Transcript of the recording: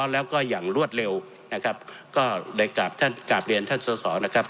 แล้วก็อย่างรวดเร็วนะครับก็ได้กลับท่านกราบเรียนท่านสอสอนะครับ